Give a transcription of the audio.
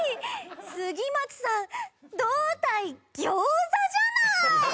杉松さん胴体餃子じゃない！